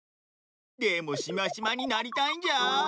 でもしましまになりたいんじゃ。